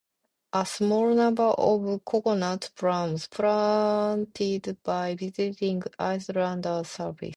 A small number of coconut palms planted by visiting islanders survive.